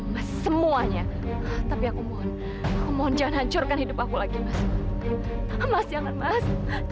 mas jangan mas